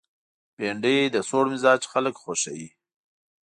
بېنډۍ د سوړ مزاج خلک خوښوي